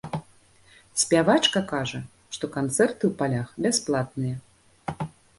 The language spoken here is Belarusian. Спявачка кажа, што канцэрты ў палях бясплатныя.